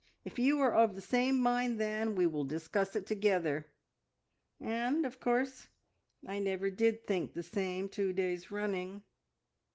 If you are of the same mind then, we will discuss it together,' and, of course, I never did think the same two days running.